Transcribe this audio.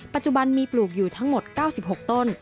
ปัจจุบันมีปลูกอยู่ทั้งหมด๙๖ต้น